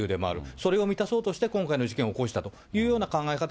それを満たそうとして今回の事件起こしたというような考え方